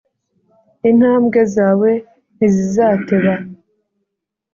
intambwe zawe ntizizateba.